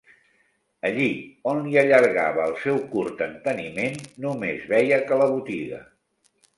Allí on li allargava el seu curt enteniment nomes veia que la botiga